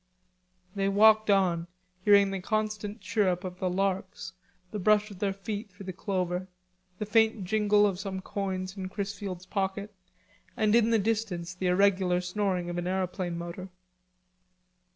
They walked on, hearing the constant chirrup of the larks, the brush of their feet through the clover, the faint jingle of some coins in Chrisfield's pocket, and in the distance the irregular snoring of an aeroplane motor.